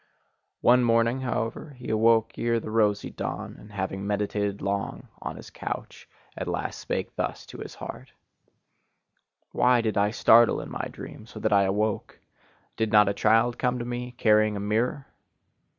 One morning, however, he awoke ere the rosy dawn, and having meditated long on his couch, at last spake thus to his heart: Why did I startle in my dream, so that I awoke? Did not a child come to me, carrying a mirror?